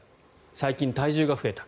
最近、体重が増えた。